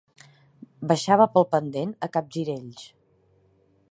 Baixava pel pendent a capgirells.